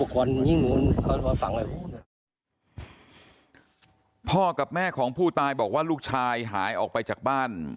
พ่อกับแม่ของผู้ตายบอกว่าลูกชายหายออกไปจากบ้าน